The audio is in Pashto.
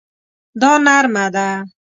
دا نرمه ده